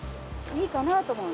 いいかなと思う。